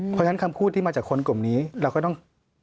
เพราะฉะนั้นคำพูดที่มาจากคนกลุ่มนี้เราก็ต้อง